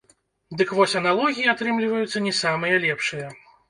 Дык вось, аналогіі атрымліваюцца не самыя лепшыя.